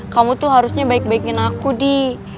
kamu tuh harusnya baik baikin aku di